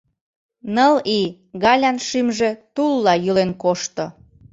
Ныл ий Галян шӱмжӧ тулла йӱлен кошто.